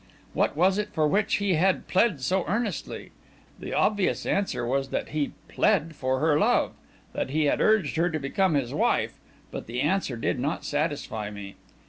What was it for which he had pled so earnestly? The obvious answer was that he pled for her love, that he had urged her to become his wife; but the answer did not satisfy me.